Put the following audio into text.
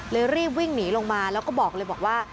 รีบวิ่งหนีลงมาแล้วก็บอกเลยบอกว่า